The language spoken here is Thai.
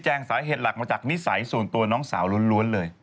สาเหตุหลักมาจากนิสัยส่วนตัวน้องสาวล้วนเลย